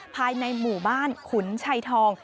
ภายในหมู่บ้านขุนชัยทอง